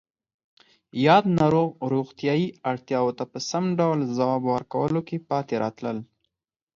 یاد ناروغ روغتیایی اړتیاوو ته په سم ډول ځواب ورکولو کې پاتې راتلل